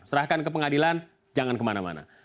serahkan ke pengadilan jangan kemana mana